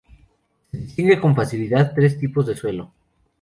Se distingue con facilidad tres tipos de suelo.